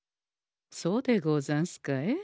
そうでござんすかえ？